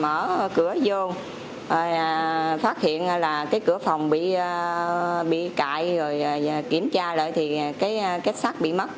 mở cửa vô rồi phát hiện là cái cửa phòng bị cại rồi kiểm tra lại thì cái két sắt bị mất